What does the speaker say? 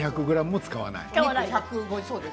２００ｇも使わない。